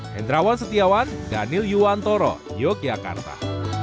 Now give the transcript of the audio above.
hendrawan setiawan daniel yuwantoro yogyakarta